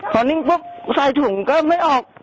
พอนิ่งปุ๊บใส่ถุงก็ไม่ออก